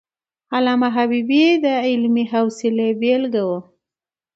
علامه حبيبي د علمي حوصلي بېلګه وو.